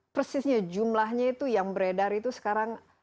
persisnya jumlahnya itu yang beredar itu sekarang